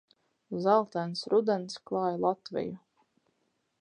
Zeltains rudens klāj Latviju.